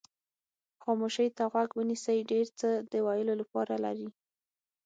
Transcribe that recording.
خاموشۍ ته غوږ ونیسئ ډېر څه د ویلو لپاره لري.